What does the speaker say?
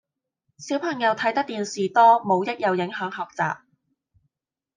小朋友睇得電視多冇益又影響學習